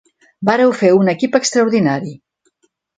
Vàreu fer un equip extraordinari.